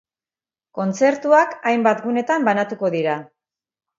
Kontzertuak hainbat gunetan banatuko dira.